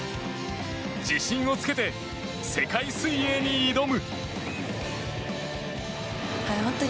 自信をつけて、世界水泳に挑む。